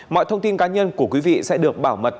mọi thông tin cá nhân của quý vị sẽ được bảo mật